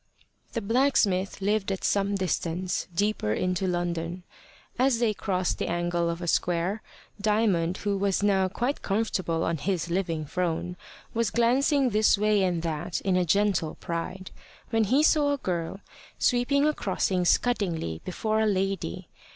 The blacksmith lived at some distance, deeper into London. As they crossed the angle of a square, Diamond, who was now quite comfortable on his living throne, was glancing this way and that in a gentle pride, when he saw a girl sweeping a crossing scuddingly before a lady.